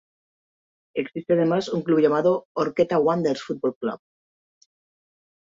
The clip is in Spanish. Existe además un club llamado "Horqueta Wanderers Fútbol Club".